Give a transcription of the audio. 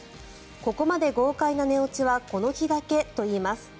ここまで豪快な寝落ちはこの日だけといいます。